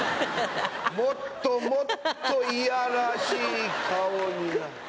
もっともっと、いやらしい顔になる。